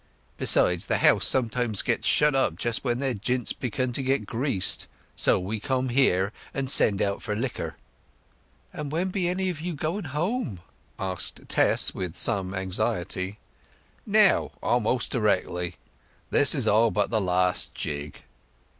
Besides, the house sometimes shuts up just when their jints begin to get greased. So we come here and send out for liquor." "But when be any of you going home?" asked Tess with some anxiety. "Now—a'most directly. This is all but the last jig."